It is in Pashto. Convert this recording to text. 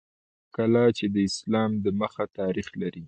کلا چې د اسلام د مخه تاریخ لري